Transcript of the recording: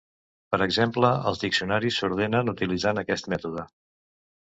Per exemple, els diccionaris s'ordenen utilitzant aquest mètode.